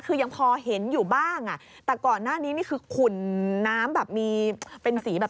คือยังพอเห็นอยู่บ้างอ่ะแต่ก่อนหน้านี้นี่คือขุ่นน้ำแบบมีเป็นสีแบบ